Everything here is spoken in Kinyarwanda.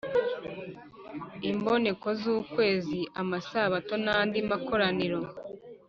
Imboneko z’ukwezi, amasabato n’andi makoraniro,